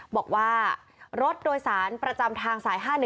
บอกว่ารถโดยสารประจำทางสาย๕๑